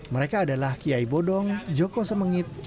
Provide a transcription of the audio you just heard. mereka adalah kiai bodong joko semenit